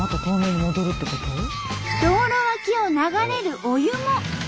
道路脇を流れるお湯も白。